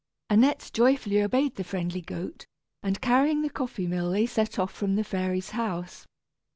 Annette joyfully obeyed the friendly goat, and carrying the coffee mill they set off from the fairy's house.